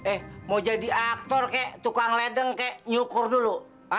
eh mau jadi aktor kayak tukang ledeng kayak nyukur dulu